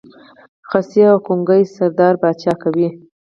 خصي او ګونګی سردار پاچا کوي.